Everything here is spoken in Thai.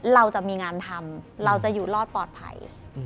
เราจะมีงานทำเราจะอยู่รอดปลอดภัย